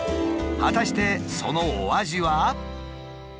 果たしてそのお味は？